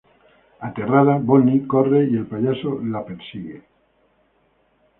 Aterrada, Bonnie corre y el payaso la persigue.